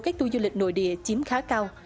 các tour du lịch nội địa chiếm khá cao